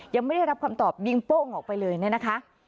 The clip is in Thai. ยังไม่ได้รับคำตอบยิงโป้งออกไปเลยเนี่ยนะคะ